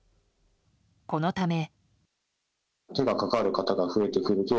このため。